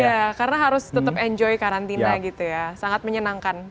iya karena harus tetap enjoy karantina gitu ya sangat menyenangkan